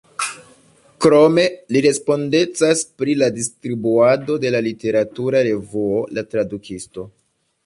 Krome li respondecas pri la distribuado de la literatura revuo La Tradukisto.